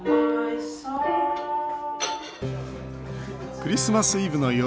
クリスマスイブの夜。